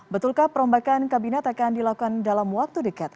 betulkah perombakan kabinet akan dilakukan dalam waktu dekat